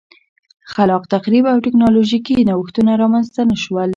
خلاق تخریب او ټکنالوژیکي نوښتونه رامنځته نه شول